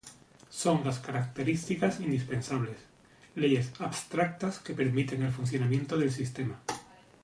Son las características indispensables, leyes abstractas que permiten el funcionamiento del sistema.